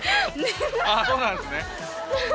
ああそうなんですね。